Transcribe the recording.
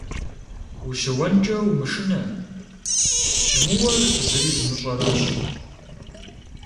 Ущыуэнкӏэ умышынэ, щымыуэр зыри зымыщӏэращ.